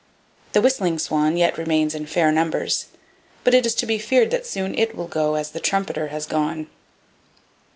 The whistling swan yet remains in fair numbers, but it is to be feared that soon it will go as the trumpeter has gone.